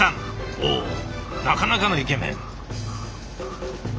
おおなかなかのイケメン！